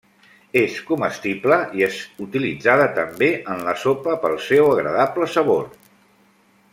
És comestible i és utilitzada també en la sopa pel seu agradable sabor.